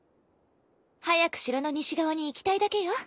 早く城の西側に行きたいだけよ。